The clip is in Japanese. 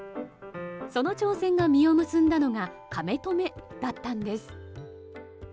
その挑戦が実を結んだのが「カメ止め！」だったんです。